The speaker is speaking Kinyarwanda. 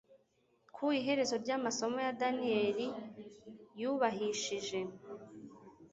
Ku iherezo ryamasomo ye Daniyeli yubahishije